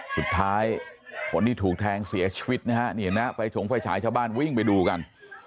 สุดท้ายคนที่ถูกแทงเสียชีวิตนะฮะนี่เห็นไหมไฟฉงไฟฉายชาวบ้านวิ่งไปดูกัน